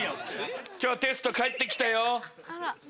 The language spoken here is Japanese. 今日テスト返って来たよ。